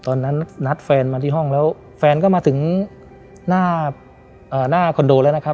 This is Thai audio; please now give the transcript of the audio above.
ตอนนั้นนัดแฟนมาที่ห้องแล้วแฟนก็มาถึงหน้าอ่าหน้าคอนโดแล้วนะครับ